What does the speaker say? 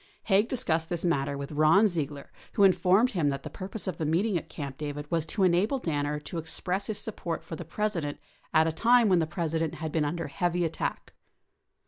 Haig discussed this matter with Ron Ziegler Avho informed him that the purpose of the meeeting at Camp David was to enable Danner to express his support for the President at a time when the President had been under heavy attack.